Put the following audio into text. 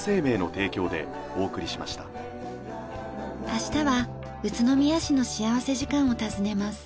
明日は宇都宮市の幸福時間を訪ねます。